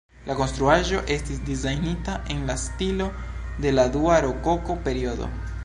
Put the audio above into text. La konstruaĵo estis dizajnita en la stilo de la dua rokoko-periodo.